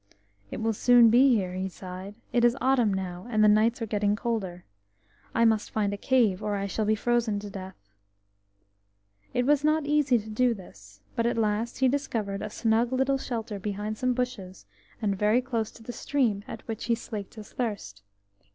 "It will soon be here," he sighed. "It is autumn now, and the nights are getting colder. I must find a cave, or I shall be frozen to death." It was not easy to do this, but at last he discovered a snug little shelter behind some bushes, and very close to the stream at which he slaked his thirst.